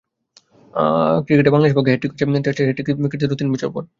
একদিনের ক্রিকেটে বাংলাদেশের পক্ষে প্রথম হ্যাটট্রিকটি আসে টেস্টের হ্যাটট্রিক-কীর্তিরও তিন বছর পর।